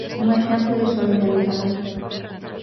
Un exemplo de solidariedade.